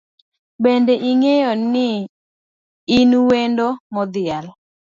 Bende ing’eni in wendo modhial